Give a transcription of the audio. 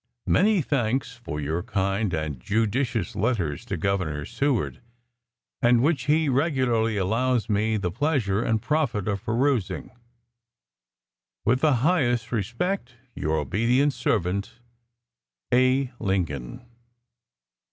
Many thanks for your kind and judicious letters to Governor Seward, and which he regularly allows me the pleasure and profit of perusing. With the highest respect. Your obedient servant, A. LINCOLN.